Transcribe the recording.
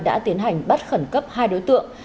đã tiến hành bắt khẩn cấp hai đối tượng